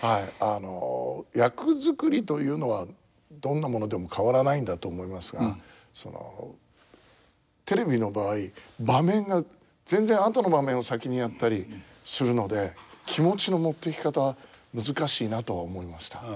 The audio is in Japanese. あの役作りというのはどんなものでも変わらないんだと思いますがそのテレビの場合場面が全然後の場面を先にやったりするので気持ちの持っていき方難しいなとは思いました。